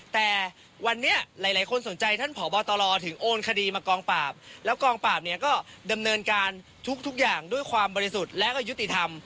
แต่วันนี้หลายคนสนใจท่านผอบตรถึงโอนคดีมากองปราบแล้วกองปราบเนี่ยก็ดำเนินการทุกอย่างด้วยความบริสุทธิ์และก็ยุติธรรม